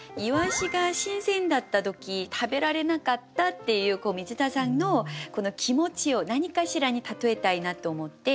鰯が新鮮だった時食べられなかったっていう水田さんのこの気持ちを何かしらに例えたいなと思って。